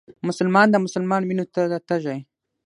مسلمان د مسلمان وينو ته تږی